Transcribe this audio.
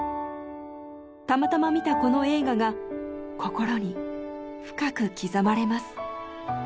たまたま見たこの映画が心に深く刻まれます。